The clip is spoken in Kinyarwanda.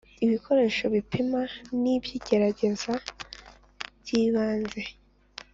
Ibikoresho bipima n’ibyigerageza by’ibanze